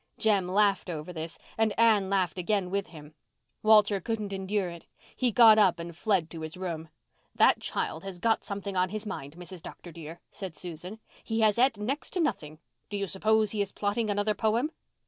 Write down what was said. Jem laughed over this and Anne laughed again with him. Walter couldn't endure it. He got up and fled to his room. "That child has got something on his mind, Mrs. Dr. dear," said Susan. "He has et next to nothing. Do you suppose he is plotting another poem?"